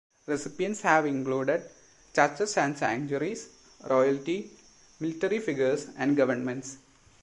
Recipients have included churches and sanctuaries, royalty, military figures, and governments.